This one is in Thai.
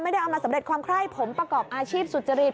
ไม่ได้เอามาสำเร็จความไคร้ผมประกอบอาชีพสุจริต